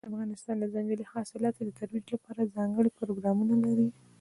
افغانستان د ځنګلي حاصلاتو د ترویج لپاره ځانګړي پروګرامونه لري.